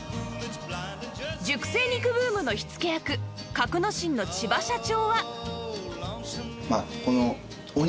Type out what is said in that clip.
熟成肉ブームの火付け役格之進の千葉社長は